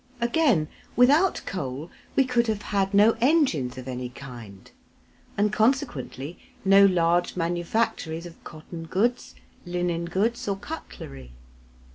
Again, without coal we could have had no engines of any kind, and consequently no large manufactories of cotton goods, linen goods, or cutlery.